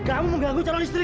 aku sudah berhenti